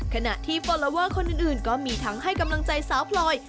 ขณะที่ฟอลลอเวอร์คนอื่นก็มีทั้งให้กำลังใจสาวพลอย